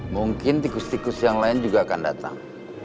mungkin tikus tikus yang lain juga akan datang